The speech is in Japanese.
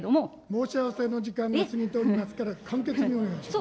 申し合わせの時間が過ぎておりますから、簡潔にお願いします。